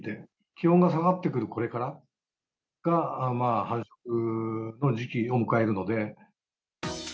気温が下がってくるこれからが繁殖の時期を迎えるので。